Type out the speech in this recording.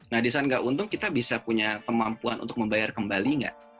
nah desain nggak untung kita bisa punya kemampuan untuk membayar kembali nggak